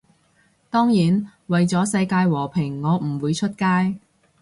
當然，為咗世界和平我唔會出街